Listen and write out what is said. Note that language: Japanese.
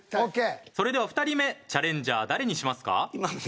それでは２人目チャレンジャー誰にしますか？